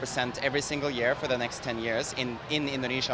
selama sepuluh tahun hanya di indonesia